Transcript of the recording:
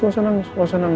gak usah nangis